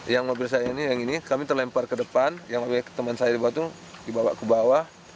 yang mobil saya ini yang ini kami terlempar ke depan yang mobil teman saya di batu dibawa ke bawah